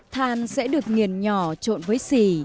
than sẽ được nghiền nhỏ trộn với xì